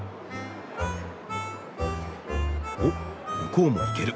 おっ向こうも行ける。